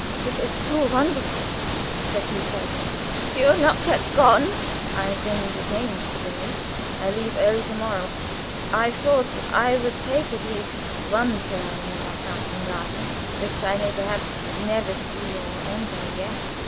That is too wonderful!" said he, pausing. "You are not yet gone?" "I have been detained to day. I leave early to morrow. I thought I would take at least one turn in the Malkasten garden, which I may perhaps never see or enter again.